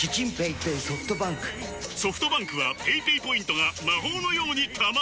ソフトバンクはペイペイポイントが魔法のように貯まる！